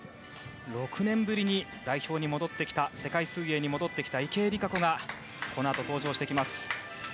６年ぶりに代表に戻ってきた世界水泳に戻ってきた池江璃花子がこのあと登場してきます。